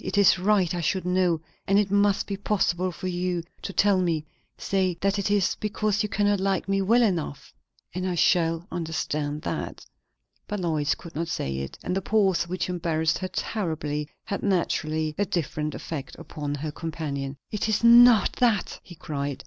"It is right I should know, and it must be possible for you to tell me. Say that it is because you cannot like me well enough and I shall understand that." But Lois could not say it; and the pause, which embarrassed her terribly, had naturally a different effect upon her companion. "It is not that!" he cried.